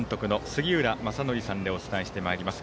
杉浦正則さんでお伝えします。